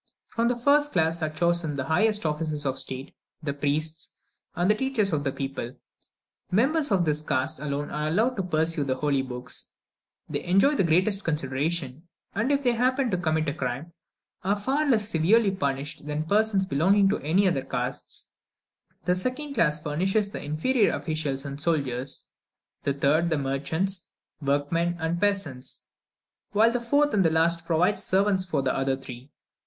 From the first class are chosen the highest officers of state, the priests, and the teachers of the people. Members of this class alone are allowed to peruse the holy books; they enjoy the greatest consideration; and if they happen to commit a crime, are far less severely punished than persons belonging to any of the other castes. The second class furnishes the inferior officials and soldiers; the third the merchants, workmen, and peasants; while the fourth and last provides servants for the other three.